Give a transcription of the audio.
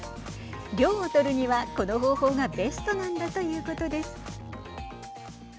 涼を取るには、この方法がベストなんだということです。